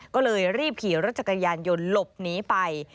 ก็เลยรีบขี่รถจักรยานยนต์หลบหนีไป